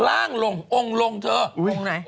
ล้างลงองค์ลงเถอะ